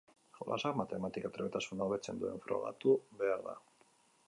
Jolasak matematika-trebetasuna hobetu duen frogatu behar da.